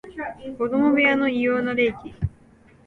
子供部屋の異様な冷気